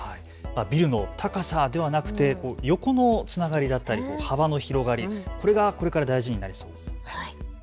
ビルの高さではなくて横のつながりだったり幅の広がり、これがこれから大事になりそうです。